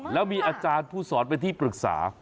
แล้วมีอาจารย์ผู้สอนเป็นที่ปรึกษา